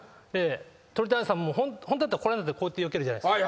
鳥谷さんもホントだったらこうやってよけるじゃないですか。